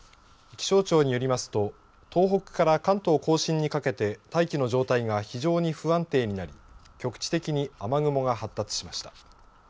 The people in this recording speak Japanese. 気象庁によりますと東北から関東甲信にかけて大気の状態が非常に不安定になり局地的に雨雲が発達しました。